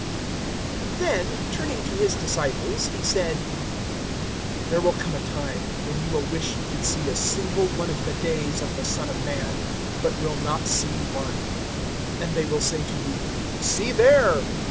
017:022 Then, turning to His disciples, He said, "There will come a time when you will wish you could see a single one of the days of the Son of Man, but will not see one. 017:023 And they will say to you, `See there!'